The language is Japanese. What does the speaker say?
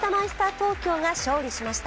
東京が勝利しました。